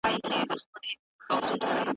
کوم عوامل ټولنې ته بدلون ورکوي؟